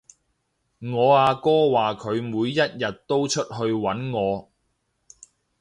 我阿哥話佢每一日都出去搵我